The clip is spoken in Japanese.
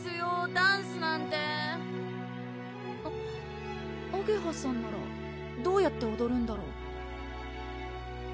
ダンスなんてあげはさんならどうやっておどるんだろう？